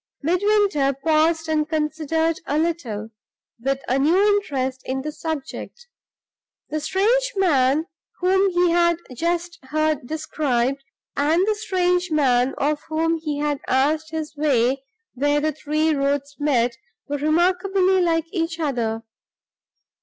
Midwinter paused and considered a little, with a new interest in the subject. The strange man whom he had just heard described, and the strange man of whom he had asked his way where the three roads met, were remarkably like each other.